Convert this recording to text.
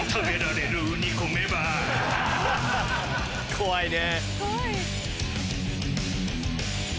怖いね。